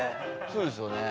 そうですよね。